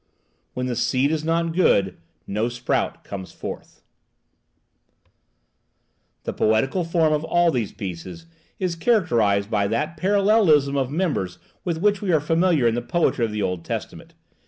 "When the seed is not good, no sprout comes forth." The poetical form of all these pieces is characterized by that parallelism of members with which we are familiar in the poetry of the Old Testament.